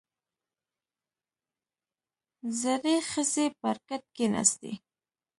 • زړې ښځې پر کټ کښېناستې.